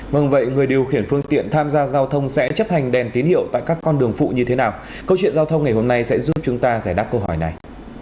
vâng vậy người điều khiển phương tiện tham gia giao thông sẽ chấp hành đèn tín hiệu tại các con đường phụ như thế nào câu chuyện giao thông ngày hôm nay sẽ giúp chúng ta giải đáp câu hỏi này